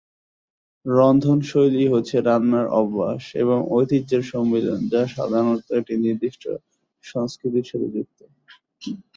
রন্ধনশৈলী হচ্ছে রান্নার অভ্যাস এবং ঐতিহ্যের সম্মিলন যা সাধারণত একটি নির্দিষ্ট সংস্কৃতির সাথে যুক্ত।